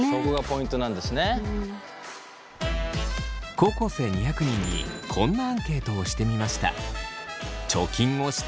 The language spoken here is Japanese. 高校生２００人にこんなアンケートをしてみました。